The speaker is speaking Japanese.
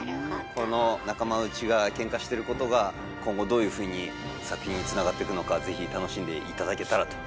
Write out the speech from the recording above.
この仲間内がケンカしてることが今後どういうふうに作品につながっていくのかぜひ楽しんで頂けたらと思います。